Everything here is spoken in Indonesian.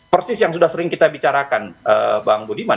persis yang sudah sering kita bicarakan bang budiman